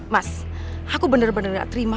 mas aku bener bener gak terima